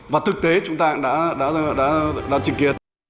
và thực tế chúng ta đã trình kiệt